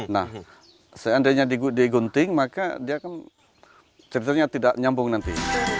nah seandainya digunting maka dia akan ceritanya tidak nyambung nanti